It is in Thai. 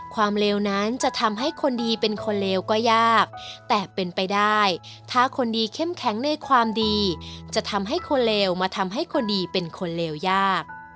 เลวนั้นจะทำให้คนดีเป็นคนเลวก็ยากแต่เป็นไปได้ถ้าคนดีเข้มแข็งในความดีจะทำให้คนเลวมาทำให้คนดีเป็นคนเลวยาก